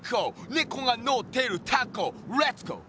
「ねこがのってるタコレッツゴー！」